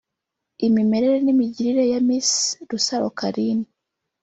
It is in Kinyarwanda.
Imimerere n’imigirire ya Miss Rusaro Carine